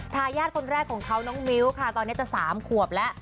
ทายาทคนแรกของเขาน้องมิ้วค่ะตอนนี้จะ๓ขวบแล้ว